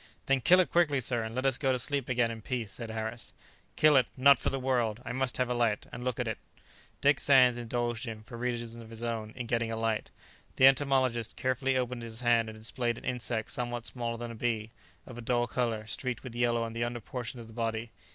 "Then kill it quickly, sir; and let us go to sleep again in peace," said Harris. "Kill it! not for the world! I must have a light, and look at it!" Dick Sands indulged him, for reasons of his own, in getting a light. The entomologist carefully opened his hand and displayed an insect somewhat smaller than a bee, of a dull colour, streaked with yellow on the under portion of the body.